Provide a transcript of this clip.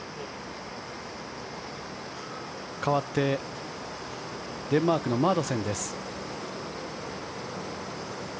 かわってデンマークのマドセンです。